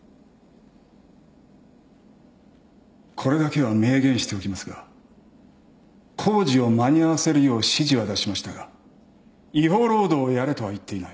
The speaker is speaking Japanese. これだけは明言しておきますが工事を間に合わせるよう指示は出しましたが違法労働をやれとは言っていない。